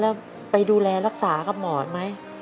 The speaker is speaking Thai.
แล้วไปดูแลรักษากับหมอไหม